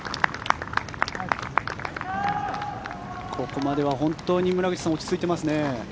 ここまでは本当に村口さん落ち着いていますね。